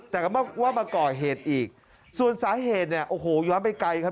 แต่ว่ามาเกาะเหตุอีกส่วนสาเหตุโอ้โหย้อนไปไกลครับ